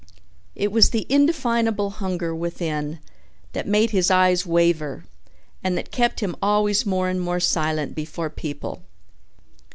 It was the indefinable hunger within that made his eyes waver and that kept him always more and more silent before people.